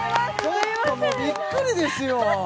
ちょっともうびっくりですよ